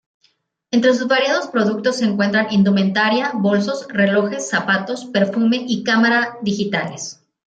Entre sus variados productos se encuentran Indumentaria, bolsos, relojes, zapatos, perfume y Cámara digitales.